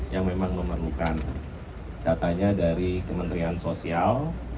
yang memang memerlukan datanya dari kementerian sosial